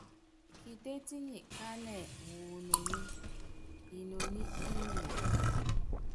Kitétí nyi kánɛ wu inoní, inoní inuya.